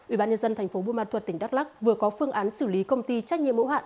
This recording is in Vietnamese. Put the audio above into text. ủy ban nhân dân thành phố buôn ma thuật tỉnh đắk lắc vừa có phương án xử lý công ty trách nhiệm mẫu hạn